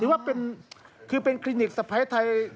หรือเป็นคลินิกสะพายไทย